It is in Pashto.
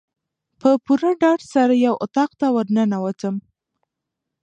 په پوره ډاډ سره یو اطاق ته ورننوتم.